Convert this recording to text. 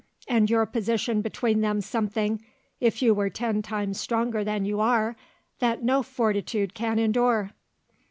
and your position between them something (if you were ten times stronger than you are) that no fortitude can endure?"